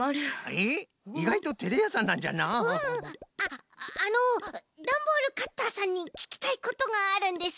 ああのダンボールカッターさんにききたいことがあるんです。